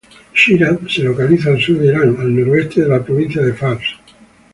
Shiraz se localiza al sur de Irán, al noroeste de la provincia de Fars.